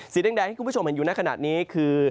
สีแดงที่คุณผู้ชมเห็นอยู่ในขณะนี้คือ